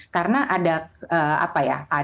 karena ada apa ya ada isi pikiran